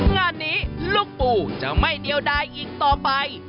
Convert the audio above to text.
งานนี้ลูกปู่จะไม่เดียวดายอีกต่อไป